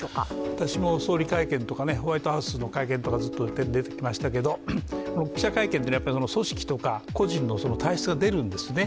私も総理会見とかホワイトハウスの会見とかずっと出てきましたけど、記者会見は組織とか個人の体質が出るんですね。